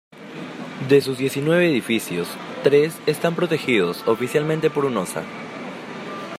De sus diecinueve edificios, tres están protegidos oficialmente por Hunosa.